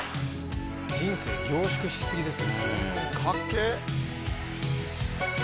人生凝縮し過ぎです。